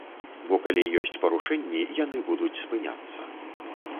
Бо калі ёсць парушэнні, яны будуць спыняцца.